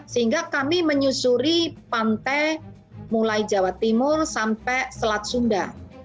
sehingga kami menyusuri pantai mulai jawa timur sampai selat sunda